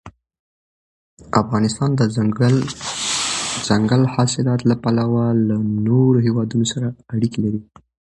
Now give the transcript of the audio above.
افغانستان د دځنګل حاصلات له پلوه له نورو هېوادونو سره اړیکې لري.